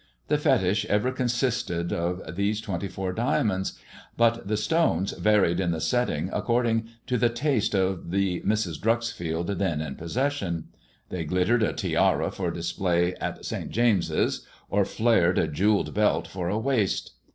The fetich ever consisted of these twenty four diamonds, but the stones varied in the setting according to the taste of the Mrs. Dreuxfield then in possession. They glittered a tiara for display at St. James's, or flamed a jewelled belt for a waist.